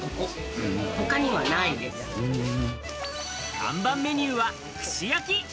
看板メニューは串焼き。